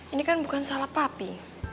ini kan bukan salah papi